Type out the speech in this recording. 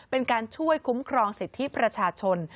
เป็นการช่วยคุ้มครองสิทธิประชาชน